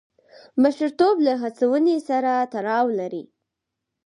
مشرتوب له هڅونې سره تړاو لري.